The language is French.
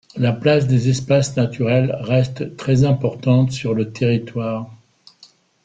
La place des espaces naturels reste très importante sur le territoire.